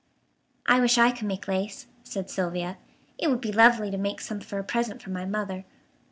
"I wish I could make lace," said Sylvia. "It would be lovely to make some for a present for my mother."